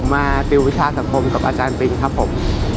มาติววิชาสังคมกับอาจารย์ปิงครับผม